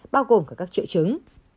bao gồm cả các triệu chứng